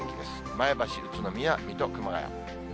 前橋、宇都宮、水戸、熊谷。